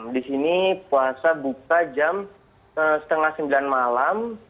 di sini puasa buka jam setengah sembilan malam